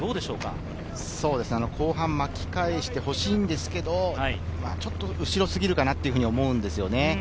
後半、巻き返してほしいんですけれど、ちょっと後ろすぎるかなと思うんですよね。